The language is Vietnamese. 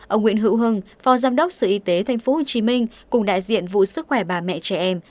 ông nguyễn hữu hưng phó giám đốc sở y tế tp hcm cùng đại diện vụ sức khỏe bà mẹ trẻ em